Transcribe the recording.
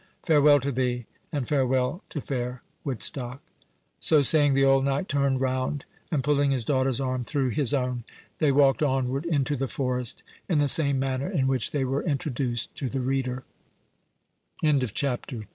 Farewell to thee,—and farewell to fair Woodstock!" So saying, the old knight turned round, and pulling his daughter's arm through his own, they walked onward into the forest, in the same manner in which they were introduced to t